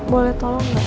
boleh tolong gak sih